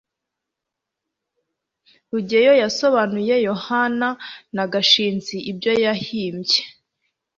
rugeyo yasobanuye yohana na gashinzi ibyo yahimbye